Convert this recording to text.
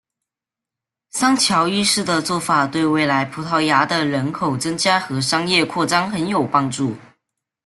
桑乔一世的做法对未来葡萄牙的人口增加和商业扩展很有帮助。